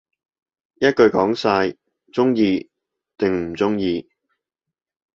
一句講晒，鍾意定唔鍾意